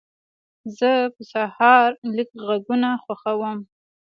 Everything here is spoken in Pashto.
زه په سهار لږ غږونه خوښوم.